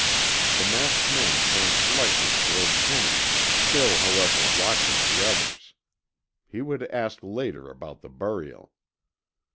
The masked man turned slightly toward Penny, still however watching the others. He would ask later about the burial.